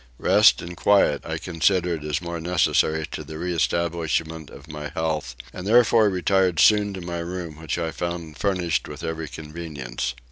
Rest and quiet I considered as more necessary to the reestablishment of my health and therefore retired soon to my room which I found furnished with every convenience.